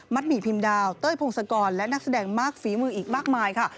หมี่พิมดาวเต้ยพงศกรและนักแสดงมากฝีมืออีกมากมายค่ะ